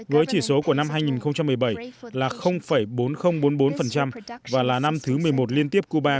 với chỉ số của năm hai nghìn một mươi bảy là bốn nghìn bốn mươi bốn và là năm thứ một mươi một liên tiếp cuba